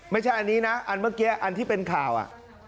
ไม่ใช่อันนี้นะอันเมื่อกี้อันที่เป็นข่าวอ่ะ